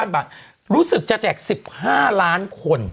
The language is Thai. ๓๐๐๐บาทรู้สึกจะแจก๑๕ล้านคน